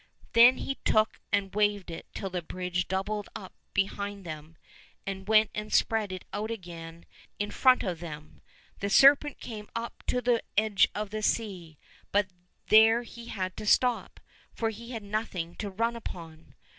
Then he took and waved it till the bridge doubled up behind them, and went and spread out again right in front 64 LITTLE TSAR NOVISHNY of them. The serpent came up to the edge of the sea ; but there he had to stop, for he had nothing to run upon.